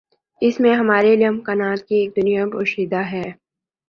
اسی میں ہمارے لیے امکانات کی ایک دنیا پوشیدہ ہے۔